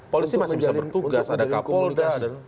polisi masih bisa bertugas ada kapolda